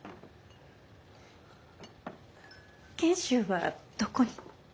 賢秀はどこに？